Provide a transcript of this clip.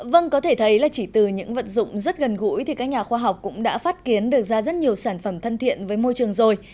vâng có thể thấy là chỉ từ những vận dụng rất gần gũi thì các nhà khoa học cũng đã phát kiến được ra rất nhiều sản phẩm thân thiện với môi trường rồi